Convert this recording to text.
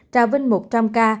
trà vinh một trăm linh ca